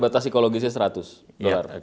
batas ekologisnya seratus dolar